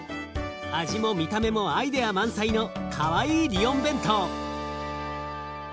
味も見た目もアイデア満載のかわいいリヨン弁当。